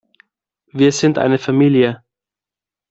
Wir sind eine Familie.